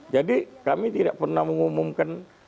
jadi kami tidak pernah mengumumkan